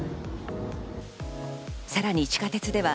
さらに地下鉄では、